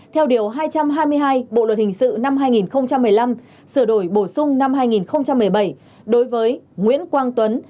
theo điều hai trăm hai mươi hai bộ luật hình sự năm hai nghìn một mươi năm sửa đổi bổ sung năm hai nghìn một mươi bảy đối với nguyễn quang tuấn